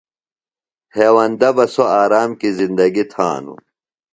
ہیوندہ بہ سوۡ آرام کیۡ زندگی تھانوۡ۔